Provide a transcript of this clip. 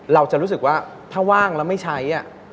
เราจะรู้สึกว่าถ้าว่างแล้วไม่ใช้